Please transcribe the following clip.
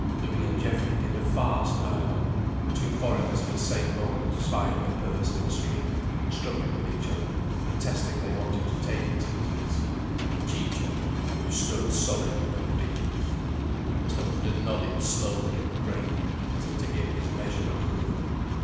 Louis and Geoffrey did a farce dialogue, two foreigners at the same moment spying a purse in the street, struggling with each other and protesting they wanted to take it to the policeman, Ciccio, who stood solid and ridiculous. Mr. Houghton nodded slowly and gravely, as if to give his measured approval.